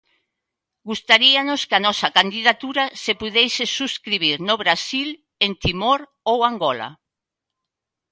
Gustaríanos que a nosa candidatura se puidese subscribir no Brasil, en Timor ou Angola.